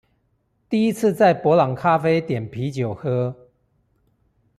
第一次在伯朗咖啡點啤酒喝